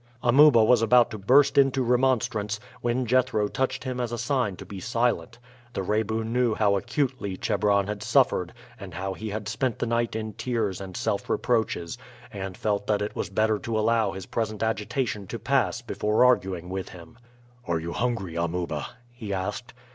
Amuba was about to burst into remonstrance, when Jethro touched him as a sign to be silent. The Rebu knew how acutely Chebron had suffered and how he had spent the night in tears and self reproaches, and felt that it was better to allow his present agitation to pass before arguing with him. "Are you hungry, Amuba?" he asked.